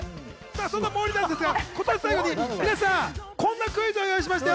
そんなモーリーダンスですが今年最後に皆さんこんなクイズを用意しましたよ